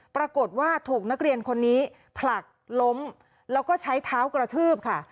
ปรากฏว่าถูกนักเรียนคนนี้ผลักล้มแล้วก็ใช้เท้ากระทืบค่ะ